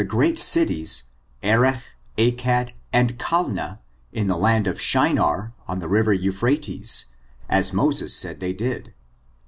209 great cities Erechj Acad, and Calneh, in the land of Shinar, on the river Euphrates, as Moses says they did.